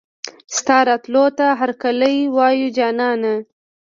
ستا راتلو ته هرکلی وايو جانانه